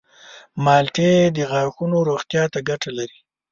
مالټې د غاښونو روغتیا ته ګټه لري.